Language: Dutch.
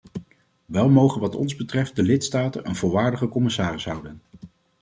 Wel mogen wat ons betreft de lidstaten een volwaardige commissaris houden.